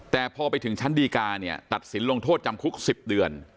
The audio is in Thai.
แต่พอไปถึงชั้นดีกาเนี่ยตัดสินลงโทษจำคุก๑๐เดือน